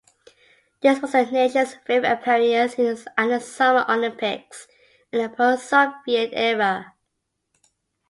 This was the nation's fifth appearance at the Summer Olympics in the post-Soviet era.